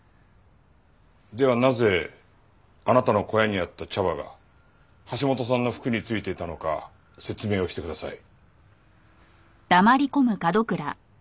ではなぜあなたの小屋にあった茶葉が橋本さんの服に付いていたのか説明をしてください。